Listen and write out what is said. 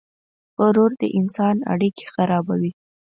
غرور د انسان اړیکې خرابوي.